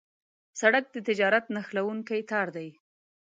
سړک د تجارت نښلونکی تار دی.